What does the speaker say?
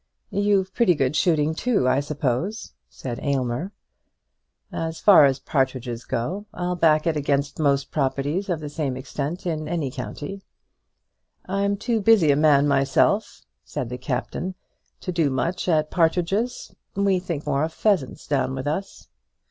"You've pretty good shooting too, I suppose," said Aylmer. "As far as partridges go I'll back it against most properties of the same extent in any county." "I'm too busy a man myself," said the Captain, "to do much at partridges. We think more of pheasants down with us."